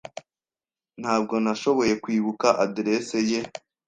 Ntabwo nashoboye kwibuka adresse ye.